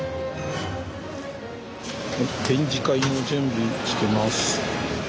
展示会の準備してます。